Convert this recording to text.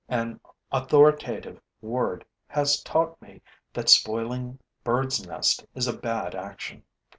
An authoritative word has taught me that spoiling birds' nests is a bad action.